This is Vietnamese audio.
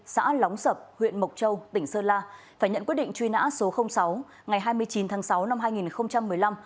xã lóng sập huyện mộc châu tỉnh sơn la phải nhận quyết định truy nã số sáu ngày hai mươi chín tháng sáu năm hai nghìn một mươi năm